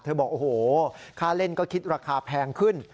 บอกโอ้โหค่าเล่นก็คิดราคาแพงขึ้น